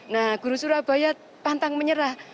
nah guru surabaya pantang menyerah